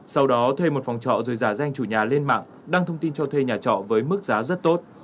sau đó thuê một phòng trọ rồi giả danh chủ nhà lên mạng đăng thông tin cho thuê nhà trọ với công an cảnh báo